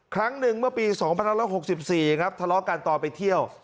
ครั้งหนึ่งเมื่อปี๒๑๖๔ครับทะเลาะกันตอนไปเที่ยว